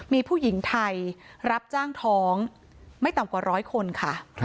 มีผู้หญิงไทยรับจ้างท้องไม่ต่ำกว่าร้อยคนค่ะ